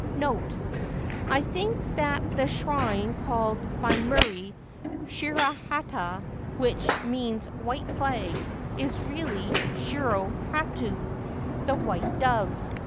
NOTE. — I think that the shrine called by Murray c Shirahata/ which means White Flag, is really c Shiro hatoj the white doves.